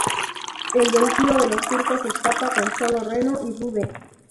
El vehículo de los Turcos escapa con sólo Reno y Rude.